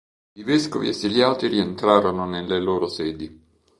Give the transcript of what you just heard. I vescovi esiliati rientrarono nelle loro sedi.